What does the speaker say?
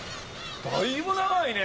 だいぶ長いね！